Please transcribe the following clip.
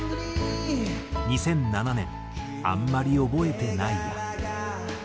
２００７年『あんまり覚えてないや』。